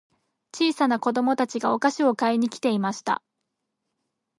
小さな子供たちがお菓子を買いに来ていました。